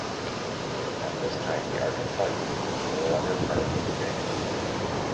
At this time the Arkansas unit was no longer part of the brigade.